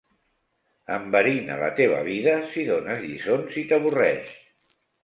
Enverina la teva vida si dones lliçons i t'avorreix.